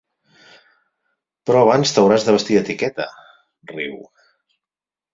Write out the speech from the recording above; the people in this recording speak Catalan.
Però abans t'hauràs de vestir d'etiqueta —riu.